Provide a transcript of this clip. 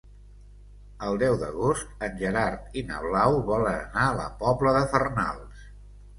El deu d'agost en Gerard i na Blau volen anar a la Pobla de Farnals.